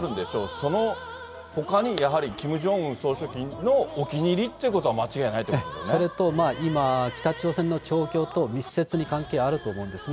そのほかに、やはりキム・ジョンウン総書記のお気に入りっていうことは間違いそれと今、北朝鮮の状況と密接に関係あると思うんですね。